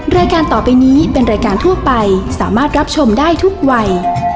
รายการต่อไปนี้เป็นรายการทั่วไปสามารถรับชมได้ทุกวัย